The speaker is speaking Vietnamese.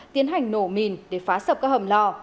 tiến hành nổ mìn để phá sập các hầm lò